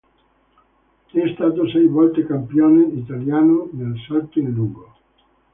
È stato sei volte campione italiano nel salto in lungo.